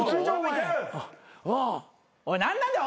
おい何なんだよ